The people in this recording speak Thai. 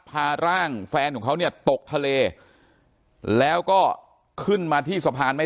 พาร่างแฟนของเขาเนี่ยตกทะเลแล้วก็ขึ้นมาที่สะพานไม่